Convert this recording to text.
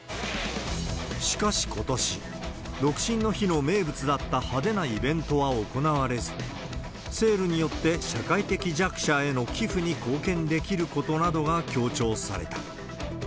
しかしことし、独身の日の名物だった派手なイベントは行われず、セールによって社会的弱者への寄付に貢献できることなどが強調された。